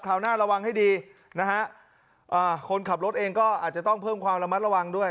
หน้าระวังให้ดีนะฮะอ่าคนขับรถเองก็อาจจะต้องเพิ่มความระมัดระวังด้วย